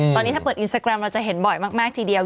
ตอนนี้ถ้าเปิดอินสตาแกรมเราจะเห็นบ่อยมากทีเดียว